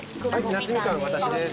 夏みかん私です。